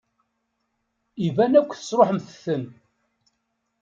Iban akk tesṛuḥemt-ten.